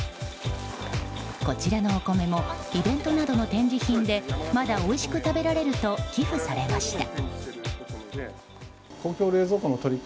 こちらのお米もイベントなどの展示品でまだおいしく食べられると寄付されました。